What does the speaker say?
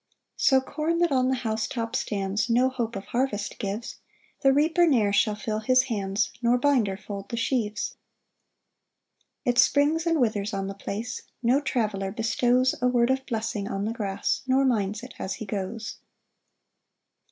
] 8 [So corn that on the house top stands No hope of harvest gives; The reaper ne'er shall fill his hands, Nor binder fold the sheaves. 9 It springs and withers on the place: No traveller bestows A word of blessing on the grass, Nor minds it as he goes.